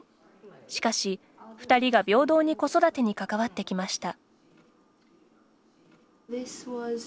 しかし、２人が平等に子育てに関わってきました。